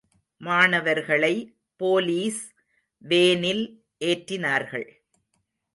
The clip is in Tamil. மாணவர்களை போலீஸ் வேனில் ஏற்றினார்கள்.